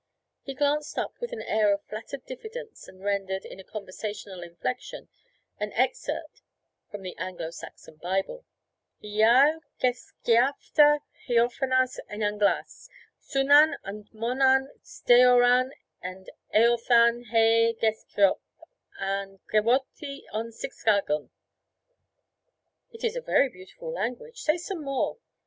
He glanced up with an air of flattered diffidence and rendered, in a conversational inflection, an excerpt from the Anglo Saxon Bible. 'Ealle gesceafta, heofonas and englas, sunnan and monan, steorran and eorthan, hè gesceop and geworhte on six dagum.' 'It is a very beautiful language. Say some more.'